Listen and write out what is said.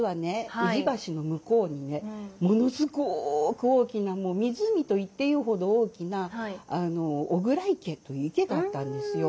宇治橋の向こうにねものすごく大きなもう湖と言っていいほど大きな巨椋池という池があったんですよ。